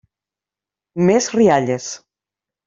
Més rialles.